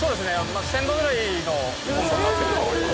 １０００度ぐらいの温度になっています。